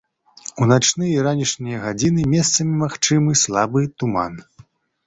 У начныя і ранішнія гадзіны месцамі магчымы слабы туман.